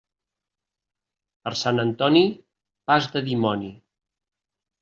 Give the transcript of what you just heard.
Per Sant Antoni, pas de dimoni.